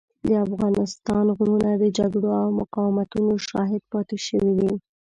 د افغانستان غرونه د جګړو او مقاومتونو شاهد پاتې شوي دي.